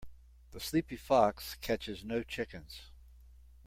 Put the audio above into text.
The sleepy fox catches no chickens.